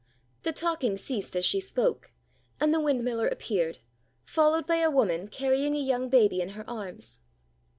The talking ceased as she spoke, and the windmiller appeared, followed by a woman carrying a young baby in her arms.